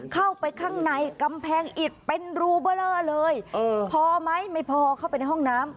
เข้าไปข้างในกำแพงอิดเป็นรูเบอร์เลอร์เลยพอไหมไม่พอเข้าไปในห้องน้ำ